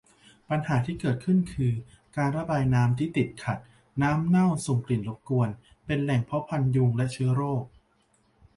ปัญหาที่เกิดขึ้นคือ การระบายน้ำที่ติดขัด น้ำเน่าส่งกลิ่นรบกวน เป็นแหล่งเพาะพันธุ์ยุงและเชื้อโรค